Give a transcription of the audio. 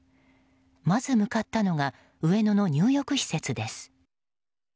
まず向かったのが上野の入浴施設です。